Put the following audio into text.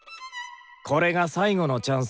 これが最後のチャンス